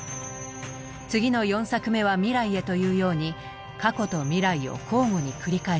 次の４作目は未来へというように過去と未来を交互に繰り返していく。